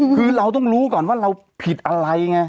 คือเราต้องรู้ก่อนว่าเราผิดอะไรไง